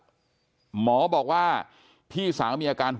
พี่สาวของเธอบอกว่ามันเกิดอะไรขึ้นกับพี่สาวของเธอ